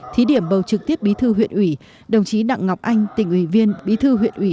thí điểm bầu trực tiếp bí thư huyện ủy đồng chí đặng ngọc anh tỉnh ủy viên bí thư huyện ủy